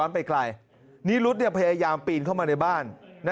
ไปไกลนิรุธพยายามปีนเข้ามาในบ้าน